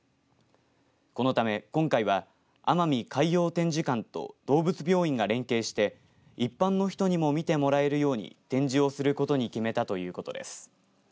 このため今回は奄美海洋展示館と動物病院が連携して一般の人にも見てもらえるように展示をすることに決めたということです。